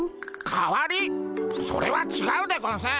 それはちがうでゴンス。